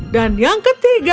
dan yang ketiga